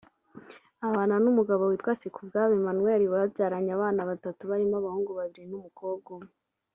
Abana n’umugabo witwa Sikubwabo Emmanuel babyaranye abana batatu barimo abahungu babiri n’umukobwa umwe